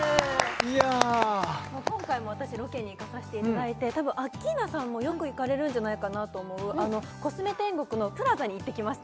今回も私ロケに行かせていただいて多分アッキーナさんもよく行かれるんじゃないかなと思うあのコスメ天国のＰＬＡＺＡに行ってきました